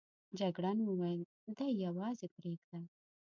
جګړن وویل دی یوازې پرېږده.